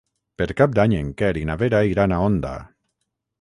Per Cap d'Any en Quer i na Vera iran a Onda.